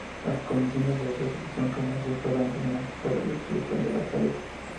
Las condiciones de retracción comercial fueron determinantes para suspender las tareas.